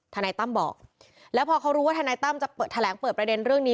ทนายตั้มบอกแล้วพอเขารู้ว่าทนายตั้มจะแถลงเปิดประเด็นเรื่องนี้